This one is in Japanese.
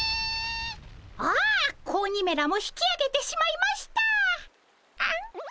ああ子鬼めらも引きあげてしまいました。